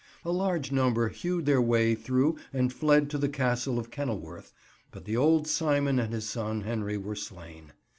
A large number hewed their way through and fled to the Castle of Kenilworth, but the old Simon and his son Henry were slain.